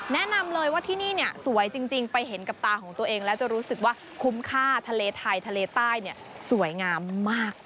แนะนำเลยว่าที่นี่เนี่ยสวยจริงไปเห็นกับตาของตัวเองแล้วจะรู้สึกว่าคุ้มค่าทะเลไทยทะเลใต้เนี่ยสวยงามมาก